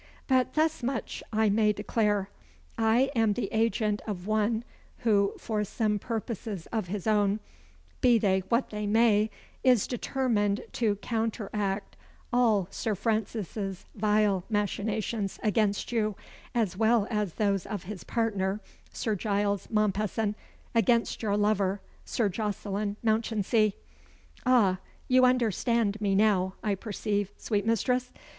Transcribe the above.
But thus much I may declare I am the agent of one, who, for some purposes of his own be they what they may is determined to counteract all Sir Francis's vile machinations against you, as well as those of his partner, Sir Giles Mompesson, against your lover, Sir Jocelyn Mounchensey. Ah! you understand me now, I perceive, sweet mistress!